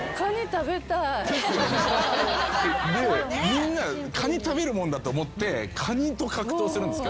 みんなカニ食べるもんだと思ってカニと格闘するんですけど。